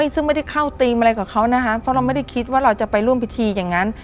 ซึ่งไม่ได้เข้าธีมอะไรกับเขานะคะเพราะเราไม่ได้คิดว่าเราจะไปร่วมพิธีอย่างนั้น